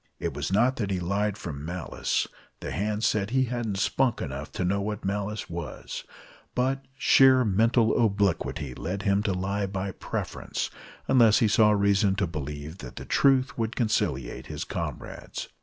It was not that he lied from malice the hands said he hadn't "spunk" enough to know what malice was but sheer mental obliquity led him to lie by preference, unless he saw reason to believe that the truth would conciliate his comrades.